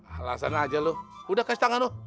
alasan aja lu udah kasih tangan lu